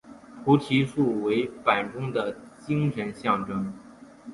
菩提树为板中的精神象征。